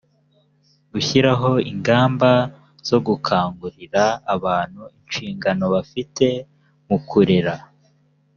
gushyiraho ingamba zo gukangurira abantu inshingano bafite mu kurera.